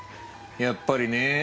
やっぱりねぇ。